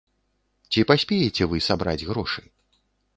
Ці паспееце вы сабраць грошы?